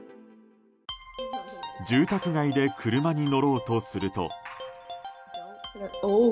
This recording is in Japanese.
住宅街で車に乗ろうとすると。